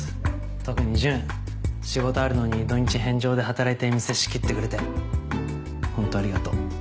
特に純仕事あるのに土日返上で働いて店仕切ってくれてほんとありがとう。